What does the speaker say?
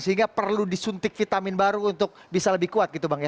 sehingga perlu disuntik vitamin baru untuk bisa lebih kuat gitu bang ya